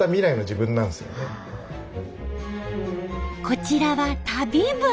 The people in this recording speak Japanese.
こちらは旅部。